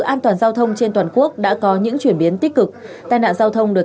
an toàn giao thông trên toàn quốc đã có những chuyển biến tích cực tai nạn giao thông được